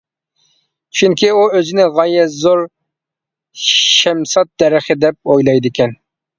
چۈنكى ئۇ ئۆزىنى غايەت زور شەمشاد دەرىخى دەپ ئويلايدىكەن.